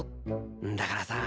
だからさ。